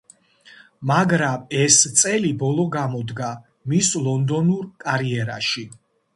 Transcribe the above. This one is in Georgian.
მაგრამ ეს წელი ბოლო გამოდგა მის ლონდონურ კარიერაში.